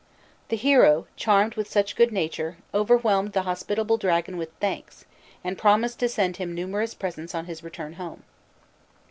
The hero, charmed with such good nature, overwhelmed the hospitable dragon with thanks, and promised to send him numerous presents on his return home.